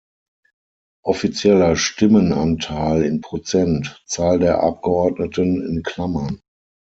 Offizieller Stimmenanteil in Prozent; Zahl der Abgeordneten in Klammern